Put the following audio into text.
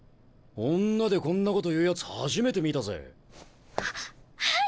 女でこんなこと言うやつ初めて見たぜ。ははい！